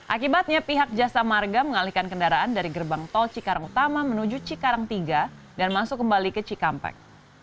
akibatnya pihak jasa marga mengalihkan kendaraan dari gerbang tol cikarang utama menuju cikarang tiga dan masuk kembali ke cikampek